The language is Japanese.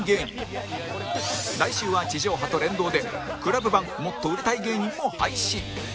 来週は地上波と連動で ＣＬＵＢ 版もっと売れたい芸人も配信